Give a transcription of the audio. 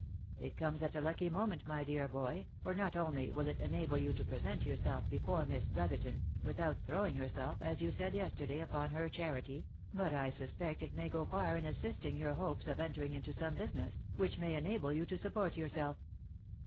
It comes at a lucky moment, my dear boy, for not only will it enable you to present yourself before Miss Brotherton, without throwing yourself, as you said yesterday, upon her charity, but I sus pect it may go far in assisting your hopes of entering into some busi ness, which may enable you to support yourself."